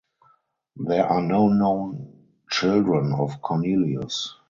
There are no known children of Cornelius.